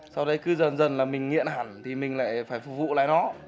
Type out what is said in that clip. sau đây cứ dần dần mình nghiện hẳn thì mình lại phải phục vụ lại nó